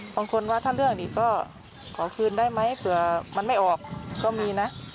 บางคนว่าถ้าเรื่องนี่ก็ขอคืนได้ไหมเผื่อมันไม่ออกก็มีนะ